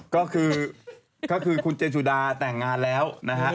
ก็คือคุณเจนสุดาแต่งงานแล้วนะฮะ